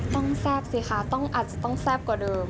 แซ่บสิคะอาจจะต้องแซ่บกว่าเดิม